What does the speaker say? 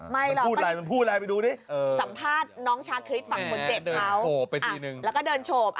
ไม่หรอกไม่หรอกสัมภาษณ์น้องชาคริสต์ฝั่งผู้เจ็ดเขาแล้วก็เดินโฉบ